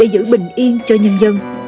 hình yên cho nhân dân